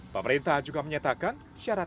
pemerintah juga menyatakan syarat